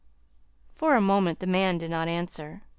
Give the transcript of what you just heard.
For a moment the man did not answer.